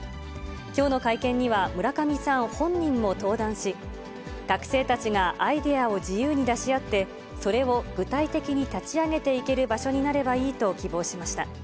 きょうの会見には村上さん本人も登壇し、学生たちがアイデアを自由に出し合って、それを具体的に立ち上げていける場所になればいいと希望しました。